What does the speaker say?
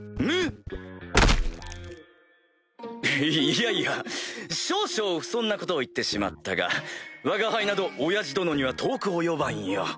いやいや少々不遜なことを言ってしまったがわが輩など親父殿には遠く及ばんよ。